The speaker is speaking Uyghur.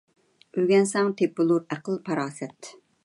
ئۆگەنسەڭ تېپىلۇر ئەقىل - پاراسەت .